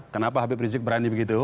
kenapa habib rizik berani begitu